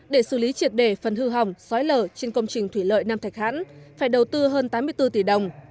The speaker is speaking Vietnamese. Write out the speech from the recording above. để xử lý triệt đề phần hư hỏng xói lở trên công trình thủy lợi nam thạch hãn phải đầu tư hơn tám mươi bốn tỷ đồng